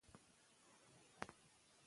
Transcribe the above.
اقتصاد د ټولنې د اړتیاوو تحلیل کوي.